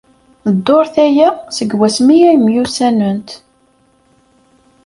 Dduṛt aya seg wasmi ay myussanent.